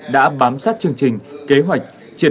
đã bám sát chương trình kế hoạch triển khai thực hiện